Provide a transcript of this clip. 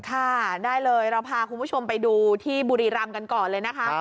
ค่ะได้เลยเราพาคุณผู้ชมไปดูที่บุรีรำกันก่อนเลยนะคะ